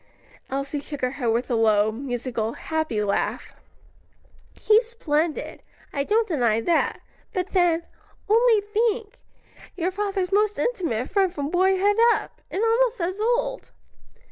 Elsie shook her head with a low, musical, happy laugh. "He's splendid, I don't deny that; but then only think your father's most intimate friend from boyhood up; and almost as old."